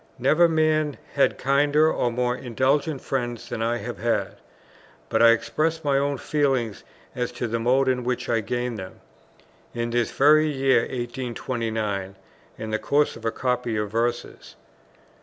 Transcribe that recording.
Never man had kinder or more indulgent friends than I have had; but I expressed my own feeling as to the mode in which I gained them, in this very year 1829, in the course of a copy of verses.